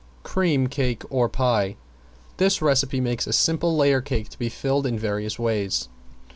~CREAM CAKE OR PIE~ This recipe makes a simple layer cake to be filled in various ways.